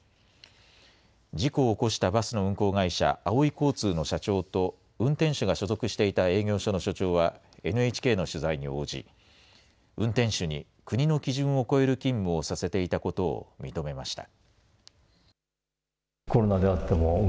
事故を起こしたバスの運行会社、あおい交通の社長と運転手が所属していた営業所の所長はＮＨＫの取材に応じ、運転手に国の基準を超える勤務をさせていたことを認めました。